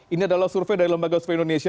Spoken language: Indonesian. ini adalah survei dari lembaga survei indonesia